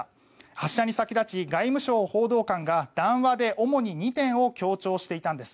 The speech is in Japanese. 発射に先立ち外務省報道官が談話で主に２点を強調していたんです。